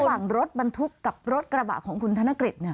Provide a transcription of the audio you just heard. ระหว่างรถบรรทุกกับรถกระบะของคุณธนกฤษ